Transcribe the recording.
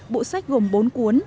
bộ sách gồm bốn cuốn